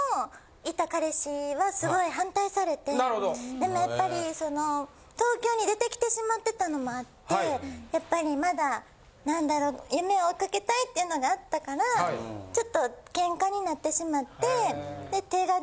でもやっぱり東京に出てきてしまってたのもあってやっぱりまだ何だろう夢を追いかけたいっていうのがあったからちょっと喧嘩になってしまって。